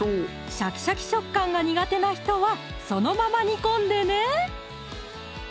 シャキシャキ食感が苦手な人はそのまま煮込んでね